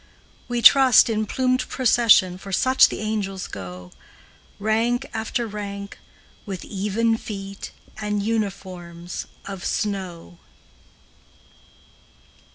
We trust, in plumed procession, For such the angels go, Rank after rank, with even feet And uniforms of snow.